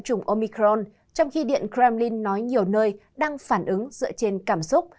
chủng omicron trong khi điện kremlin nói nhiều nơi đang phản ứng dựa trên cảm xúc